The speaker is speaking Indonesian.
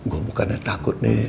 gue bukannya takut nih